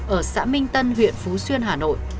ở xã minh tân huyện phú xuyên hà nội